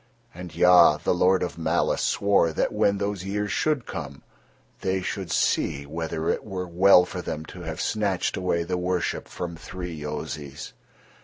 And Ya, the Lord of malice, swore that when those years should come, they should see whether it were well for them to have snatched away the worship from three Yozis.